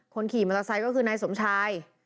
คนขี่มอเตอร์ไซค์ก็คือนายสมชาย